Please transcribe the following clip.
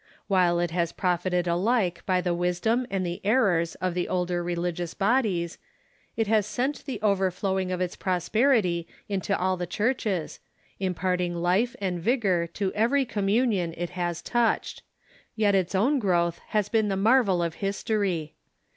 While it has profited alike by the wisdom and the errors of the older religious bod ies, it has sent the overflowing of its prosperity into all the churches, imparting life and vigor to every communion it has touched. Yet its own growth has been the marvel of history.